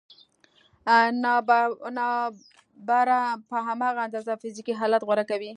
ناببره په هماغه اندازه فزيکي حالت غوره کوي.